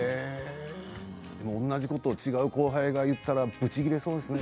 同じことを後輩が言ったらぶち切れそうですね。